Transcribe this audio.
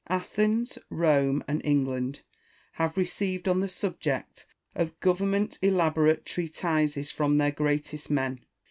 Athens, Rome, and England have received on the subject of government elaborate treatises from their greatest men.